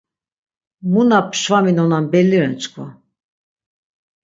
Mu na pşvaminonan belli ren çkva.